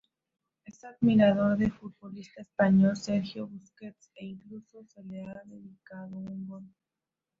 Es admirador del futbolista español Sergio Busquets e incluso le ha dedicado un gol.